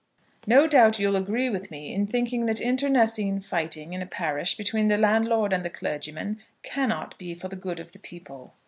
No doubt you'll agree with me in thinking that internecine fighting in a parish between the landlord and the clergyman cannot be for the good of the people.